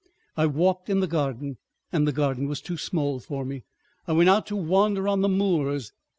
I walked in the garden and the garden was too small for me; I went out to wander on the moors.